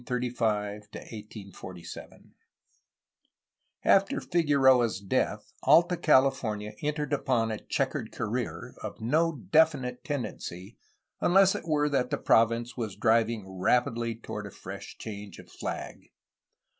I CHAPTER XXXV WAITING FOR OLD GLORY, 1835 1847 After Figueroa's death Alta California entered upon a checkered career, of no definite tendency unless it were that the province was driving rapidly toward a fresh change of flag.